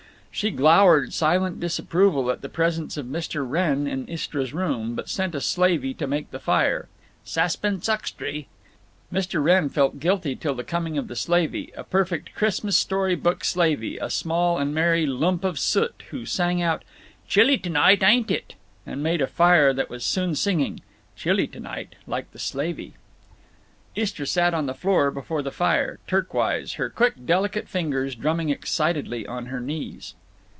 She glowered silent disapproval at the presence of Mr. Wrenn in Istra's room, but sent a slavey to make the fire—"saxpence uxtry." Mr. Wrenn felt guilty till the coming of the slavey, a perfect Christmas story book slavey, a small and merry lump of soot, who sang out, "Chilly t' night, ayn't it?" and made a fire that was soon singing "Chilly t' night," like the slavey. Istra sat on the floor before the fire, Turk wise, her quick delicate fingers drumming excitedly on her knees.